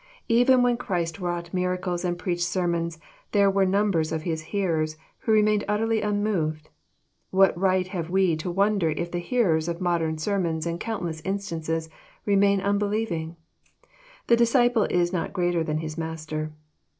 Even when Christ wrought miracles and preached sermons, there were num« bers of His hearers who remained utterly unmoved. What right have we to wonder if the hearers of modern sermons in countless instances remain unbelieving? ^^The disciple is not greater than his Master."